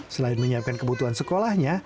selain menyiapkan kebutuhan sekolahnya